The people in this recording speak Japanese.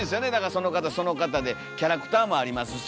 その方その方でキャラクターもありますし。